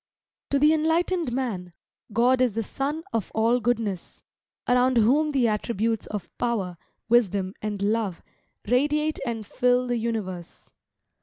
To the enlightened man, God is the sun of all goodness, around whom the attributes of Power, Wisdom, and Love, radiate and fill the universe.